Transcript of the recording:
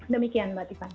demikian mbak tiffan